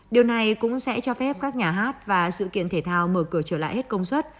điều này cũng sẽ cho phép các nhà hát và sự kiện thể thao mở cửa trở lại hết công suất